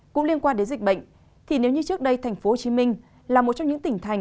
cũng liên quan đến dịch bệnh thì nếu như trước đây tp hcm là một trong những tỉnh thành